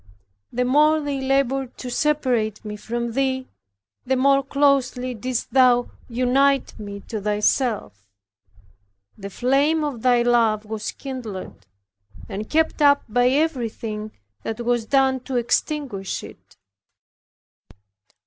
The more they labored to separate me from Thee, the more closely didst Thou unite me to Thyself. The flame of Thy love was kindled, and kept up by everything that was done to extinguish it.